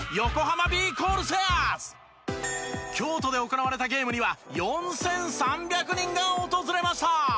京都で行われたゲームには４３００人が訪れました！